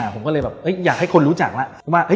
ผมก็เลยอยากให้คนรู้จักว่า